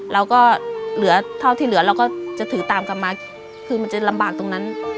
เราก็เหลือเท่าที่เหลือเราก็จะถือตามกลับมาคือมันจะลำบากตรงนั้น